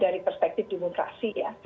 dari perspektif demokrasi ya